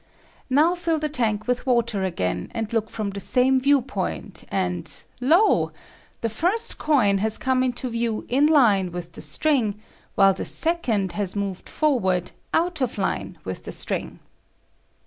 Now fill the tank with water again and look from the same view point, and lo! the first coin has come into view in line with the string, while the second has moved forward out of line with the string.